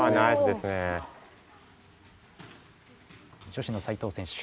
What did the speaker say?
女子の齋藤選手。